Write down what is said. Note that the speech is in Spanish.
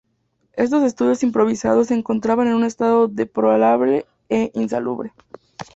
Estos estudios improvisados se encontraban en un estado deplorable e insalubre.